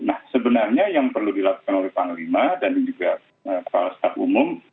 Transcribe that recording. nah sebenarnya yang perlu dilakukan oleh panglima dan juga kepala staf umum